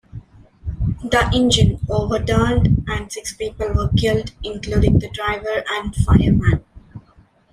The engine overturned and six people were killed including the driver and fireman.